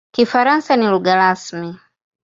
Kifaransa ni lugha rasmi.